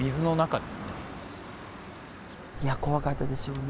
いや怖かったでしょうね